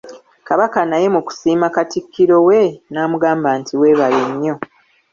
Kabaka naye mu kusiima Katikkiro we, n'amugamba nti weebale nnyo.